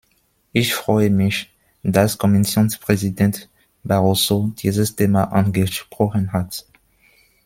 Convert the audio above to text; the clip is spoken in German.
Ich freue mich, dass Kommissionspräsident Barroso dieses Thema angesprochen hat.